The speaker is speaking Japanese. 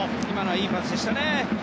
今のはいいパスでしたね。